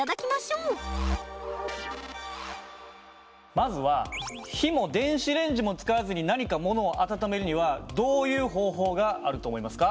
まずは火も電子レンジも使わずに何か物を温めるにはどういう方法があると思いますか？